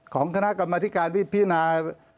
๒๑๖๑ของคณะกรรมอธิการพิจารณา